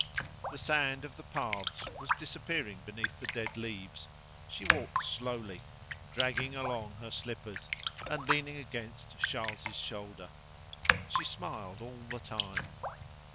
The sand of the paths was disappearing beneath the dead leaves; she walked slowly, dragging along her slippers, and leaning against Charles's shoulder. She smiled all the time.